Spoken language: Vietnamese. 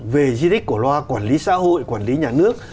về di tích cổ loa quản lý xã hội quản lý nhà nước